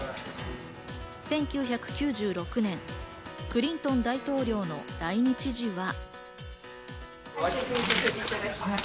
１９９６年、クリントン大統領の来日時は。